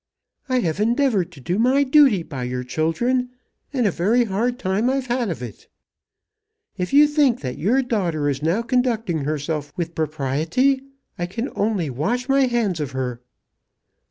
"I have endeavoured to do my duty by your children, and a very hard time I've had of it. If you think that your daughter is now conducting herself with propriety, I can only wash my hands of her."